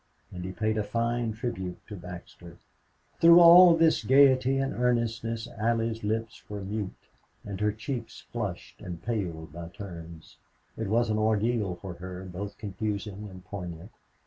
And he paid a fine tribute to Baxter. Through all this gaiety and earnestness Allie's lips were mute, and her cheeks flushed and paled by turns. It was an ordeal for her, both confusing and poignant.